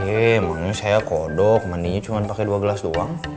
emangnya saya kodok mandinya cuma pake dua gelas doang